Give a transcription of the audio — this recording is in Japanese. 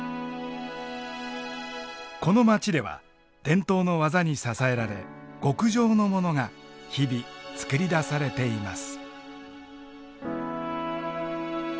この街では伝統の技に支えられ極上のモノが日々作り出されています。